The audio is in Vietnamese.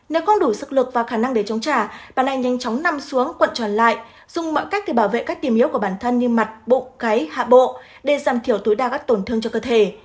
nếu không đủ sức lực và khả năng để chống trả bạn này nhanh chóng nằm xuống quận tròn lại dùng mọi cách để bảo vệ các tiềm yếu của bản thân như mặt bụng cấy hạ bộ để giảm thiểu tối đa các tổn thương cho cơ thể